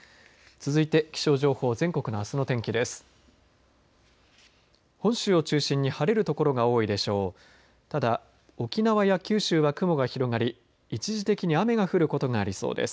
続いて気象情報全国のあすの天気です。